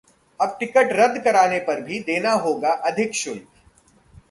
अब टिकट रद्द कराने पर भी देना होगा अधिक शुल्क